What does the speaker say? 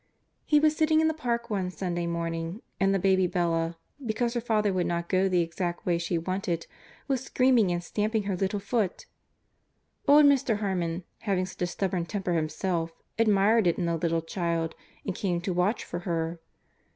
He was sitting in the park one Sunday morning, and the baby Bella, because her father would not go the exact way she wanted, was screaming and stamping her little foot. Old Mr. Harmon, having such a stubborn temper himself, admired it in the little child, and came to watch for her.